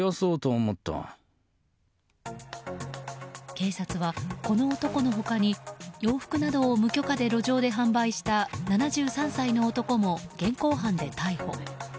警察はこの男の他に洋服などを無許可で路上で販売した７３歳の男も現行犯で逮捕。